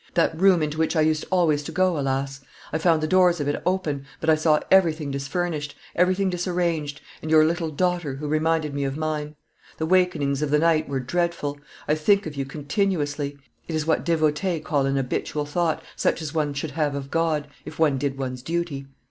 That room into which I used always to go, alas! I found the doors of it open, but I saw everything disfurnished, everything disarranged, and your little daughter, who reminded me of mine. The wakenings of the night were dreadful; I think of you continuously: it is what devotees call an habitual thought, such as one should have of God, if one did one's duty.